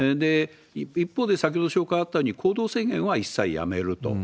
一方で先ほど紹介あったように、行動制限は一切やめると。